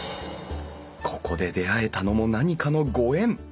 ここで出会えたのも何かのご縁。